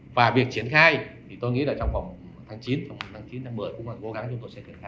và việc triển khai thì tôi nghĩ là trong vòng tháng chín tháng chín